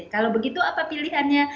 kalau begitu apa pilihannya